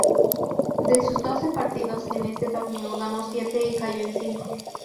De sus doce partidos en este torneo, ganó siete y cayó en cinco.